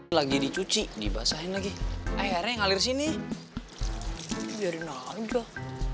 emang kamu ngajakin si bela naik motor gimana sih